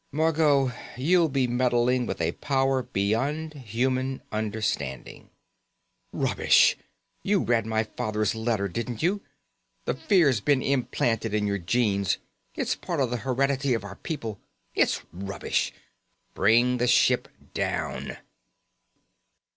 "Margot, you'll be meddling with a power beyond human understanding." "Rubbish! You read my father's letter, didn't you? That fear's been implanted in your genes. It's part of the heredity of our people. It's rubbish. Bring the ship down."